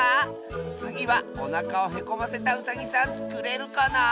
つぎはおなかをへこませたウサギさんつくれるかな？